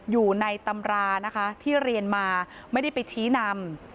อยู่ในตำรานะคะที่เรียนมาไม่ได้ไปชี้นำ